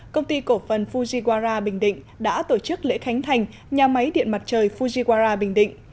công ty cổ phần fujiwara bình định đã tổ chức lễ khánh thành nhà máy điện mặt trời fujiwara bình định